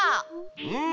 うん！